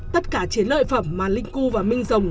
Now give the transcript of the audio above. tất cả chiến lợi phẩm mà linh cưu và minh rồng